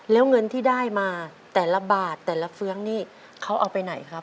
แล้วเงินที่ได้มาแต่ละบาทแต่ละเฟื้องนี่เขาเอาไปไหนครับ